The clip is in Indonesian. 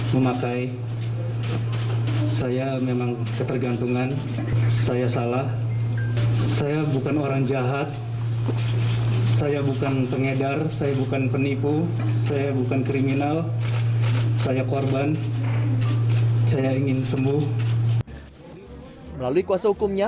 melalui kuasa hukumnya